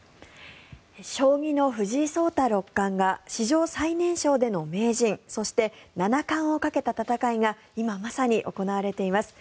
将棋の藤井聡太六冠が史上最年少での名人そして、七冠をかけた戦いが今まさに行われています。